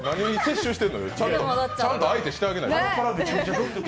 ちゃんと相手してあげないと。